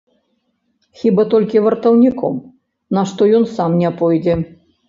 Хіба толькі вартаўніком, на што ён сам не пойдзе.